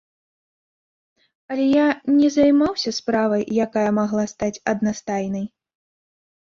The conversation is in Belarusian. Але я не займаўся справай, якая магла стаць аднастайнай.